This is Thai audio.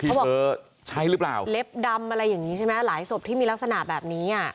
เออเขาบอกเล็บดำอะไรอย่างนี้ใช่ไหมหลายศพที่มีลักษณะแบบนี้อ่ะ